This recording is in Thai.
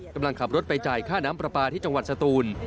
กำลังขับรถไปจ่ายค่าน้ำปลาปลาที่จังหวัดสตูน